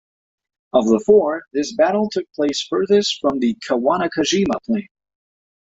Of the four, this battle took place furthest from the Kawanakajima plain.